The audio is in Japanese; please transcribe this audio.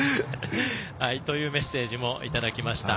というメッセージもいただきました。